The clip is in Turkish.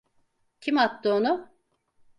Kim attı onu?